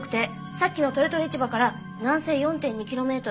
さっきのとれとれ市場から南西４．２キロメートル。